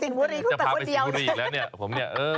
คุณจะไปสิงบุรีเพราะเป็นคนเดียว